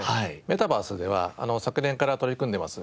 メタバースでは昨年から取り組んでいます